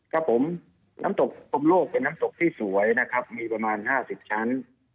ครับผมน้ำตกพรมโลกเป็นน้ำตกที่สวยนะครับมีประมาณ๕๐ชั้น